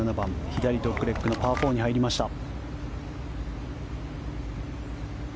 左ドッグレッグのパー４に入りました。